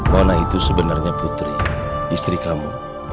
mona itu sebenarnya putri istri kamu